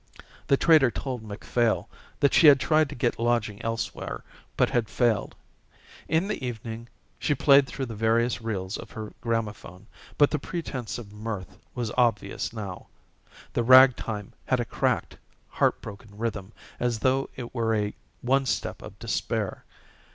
The trader told Macphail that she had tried to get lodging elsewhere, but had failed. In the evening she played through the various reels of her gramophone, but the pretence of mirth was obvious now. The ragtime had a cracked, heart broken rhythm as though it were a one step of despair.